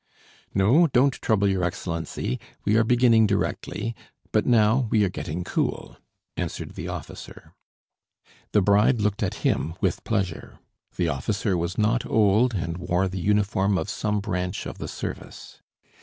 "No ... don't trouble, your Excellency; we are beginning directly, but now ... we are getting cool," answered the officer. The bride looked at him with pleasure; the officer was not old, and wore the uniform of some branch of the service.